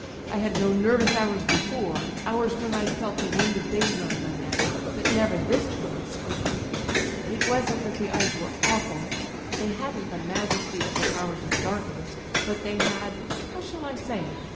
.. I had known nervous hours before: hours when I'd felt the wind of danger in my neck; but never this kind of strain. It wasn't that the eyes were awful; they hadn't the majesty of the powers of darkness. Bu^ they had â€" how shall I say?